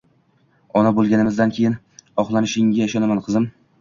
Ona bo`lganingdan keyin oqlanishingga ishonaman, qizim